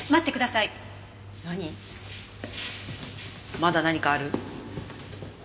まだ何かある？